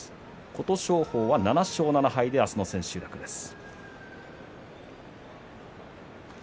琴勝峰は７勝７敗で明日の千秋楽です。